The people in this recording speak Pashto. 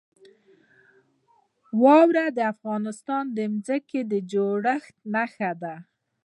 واوره د افغانستان د ځمکې د جوړښت نښه ده.